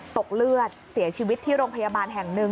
ตกเลือดเสียชีวิตที่โรงพยาบาลแห่งหนึ่ง